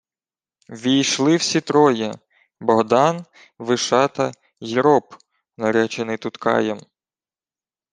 Ввійшли всі троє: Богдан, Вишата й роб, наречений Туткаєм.